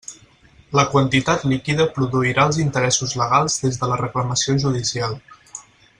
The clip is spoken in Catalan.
La quantitat líquida produirà els interessos legals des de la reclamació judicial.